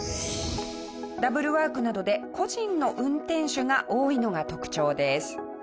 ダブルワークなどで個人の運転手が多いのが特徴です。